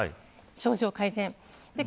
症状改善